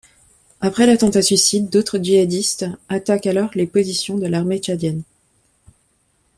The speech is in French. Après l'attentat-suicide, d'autres jihadistes attaquent alors les positions de l'armée tchadienne.